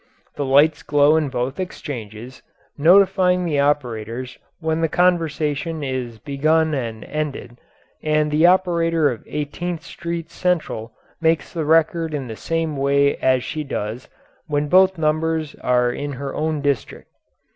The lights glow in both exchanges, notifying the operators when the conversation is begun and ended, and the operator of Eighteenth Street "central" makes the record in the same way as she does when both numbers are in her own district.